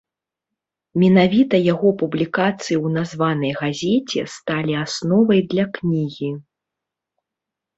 Менавіта яго публікацыі ў названай газеце сталі асновай для кнігі.